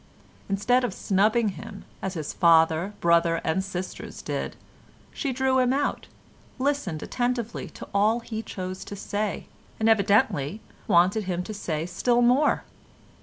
Instead of snubbing him as his father, brother and sisters did, she drew him out, listened attentively to all he chose to say, and evidently wanted him to say still more.